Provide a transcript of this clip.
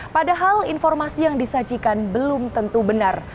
padahal informasi yang disajikan belum tentu benar